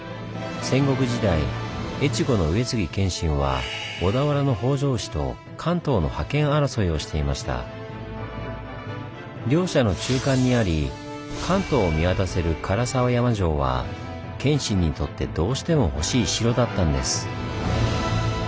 戦国時代越後の上杉謙信は小田原の北条氏と関東の覇権争いをしていました。両者の中間にあり関東を見渡せる唐沢山城は謙信にとってどうしてもほしい城だったんです。